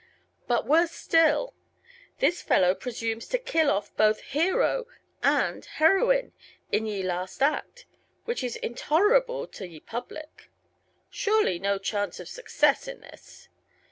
Butt woarse stille, thys fellowe presumes to kille offe Boath Heroe ande Heroine in ye Laste Acte, wch is Intolerabble toe ye Publicke. Suerley noe chaunce of Success in thys.